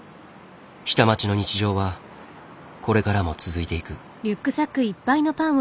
下町の日常はこれからも続いていく。